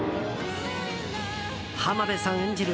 浜辺さん演じる